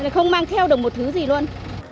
không mang theo được một thứ gì luôn